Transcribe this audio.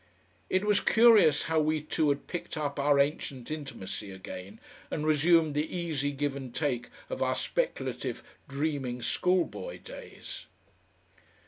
It was curious how we two had picked up our ancient intimacy again and resumed the easy give and take of our speculative dreaming schoolboy days.